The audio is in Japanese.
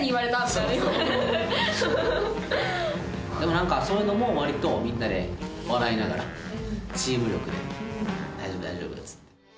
何かそういうのも割とみんなで笑いながらチーム力で「大丈夫大丈夫」っつって。